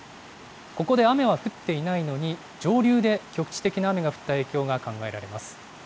ここで雨は降っていないのに、上流で局地的な雨が降った影響が考えられます。